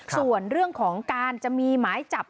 ส่วนเรื่องของการจะมีหมายจับ